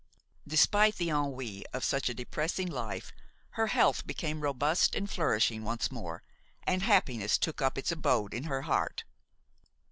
Despite the ennui of such a depressing life, her health became robust and flourishing once more and happiness took up its abode in her heart.